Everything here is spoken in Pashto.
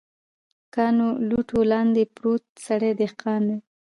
کاڼو، لوټو لاندې پروت ستړی دهقان دی